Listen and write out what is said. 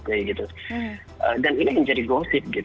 dan ini menjadi gosip